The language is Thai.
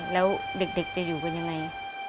แล้วเด็กจะอยู่กันยังไง